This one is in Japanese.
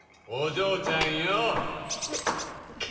お嬢ちゃんよぉ。